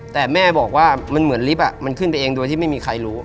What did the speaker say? แต่แม่บอกว่ามันเหมือนลิฟต์มันขึ้นไปเองโดยที่ไม่มีใครรู้